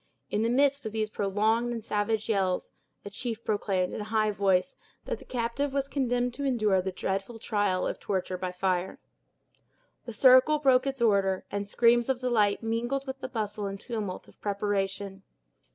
In the midst of these prolonged and savage yells, a chief proclaimed, in a high voice, that the captive was condemned to endure the dreadful trial of torture by fire. The circle broke its order, and screams of delight mingled with the bustle and tumult of preparation.